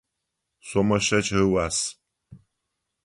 Сомэ щэкӏ ыуас.